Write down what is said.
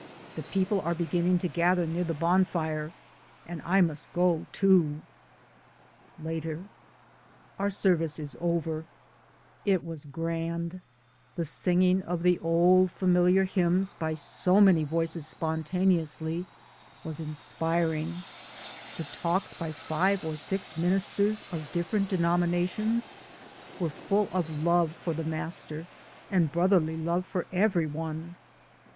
The people are beginning to gather near the bonfire and I must go, too. Later. Our service is over ; it was grand, the sing ing of the old familiar hymns by so many 126 DAYS ON THE ROAD, voices spontaneously was inspiring, the talks by five or six ministers of different denomi nations v^ere full of love for the Master, and brotherly love for every one.